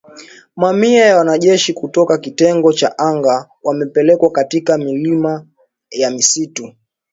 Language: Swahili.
Mamia ya wanajeshi kutoka kitengo cha anga wamepelekwa katika milima ya msituni